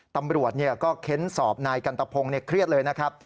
ตำรวจก็เค้นสอบนายกันตะพงศ์เครียดเลยนะครับ